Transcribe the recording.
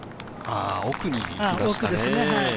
奥ですね。